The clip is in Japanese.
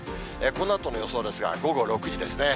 このあとの予想ですが、午後６時ですね。